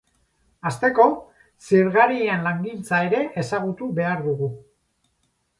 Hasteko, zirgarien langintza ere ezagutu behar dugu.